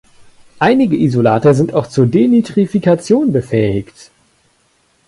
Einige Isolate sind auch zur Denitrifikation befähigt.